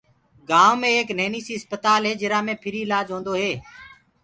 گائونٚ مي ايڪ نهيني سي اسپتال هي جرا مي ڦري اِلآج هوندو هي۔